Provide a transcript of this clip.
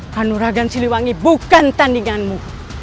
hanuragan siliwangi bukan tandinganmu